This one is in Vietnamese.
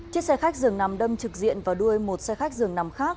chiếc xe khách dường nằm đâm trực diện và đuôi một xe khách dường nằm khác